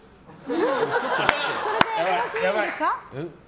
それでよろしいんですか？